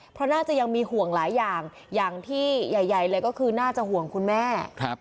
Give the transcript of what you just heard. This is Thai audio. เพราะน่าจะยังมีห่วงหลายอย่างอย่างที่ใหญ่เลยก็คือน่าจะห่วงคุณแม่